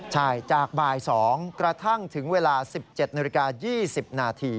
ใช่จากบ่าย๒กระทั่งถึงเวลา๑๗นาฬิกา๒๐นาที